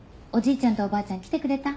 ちゃんとおばあちゃん来てくれた？